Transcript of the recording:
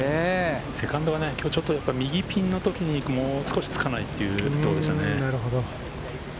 セカンドが今日ちょっと右ピンの時にもう少し、つかないという感じでしたね。